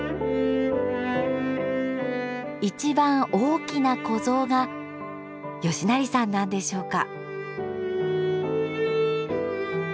一番大きな子ゾウが嘉成さんなんでしょうか。